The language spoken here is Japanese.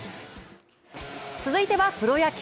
続いてはプロ野球。